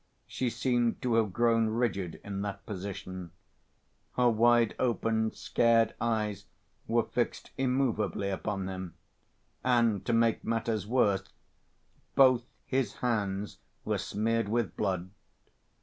She seemed to have grown rigid in that position. Her wide‐opened, scared eyes were fixed immovably upon him. And to make matters worse, both his hands were smeared with blood.